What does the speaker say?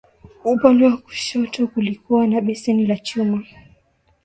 Upande wa kushoto kulikuwa na beseni la chuma